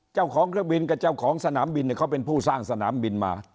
เจ้าของเครื่องบินกับเจ้าของสนามบินเขาเป็นผู้สร้างสนามบินมา